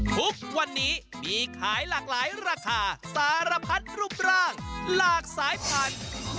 ทุกวันนี้มีขายหลากหลายราคาสารพัดรูปร่างหลากสายพันธุ์